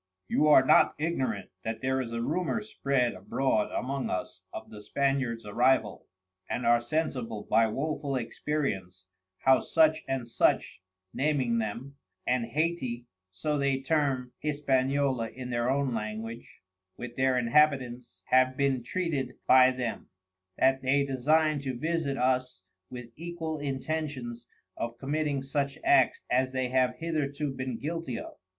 You are not ignorant that there is a rumor spread abroad among us of the Spaniards Arrival, and are sensible by woeful experience how such and such (naming them) and Hayti (so they term Hispaniola in their own language) with their Inhabitants have been treated by them, that they design to visit us with equal intentions of committing such acts as they have hitherto been guilty of.